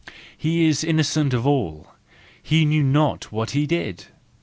He is innocent of all; he knew not what he did.